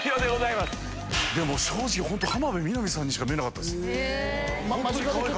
正直浜辺美波さんにしか見えなかったです。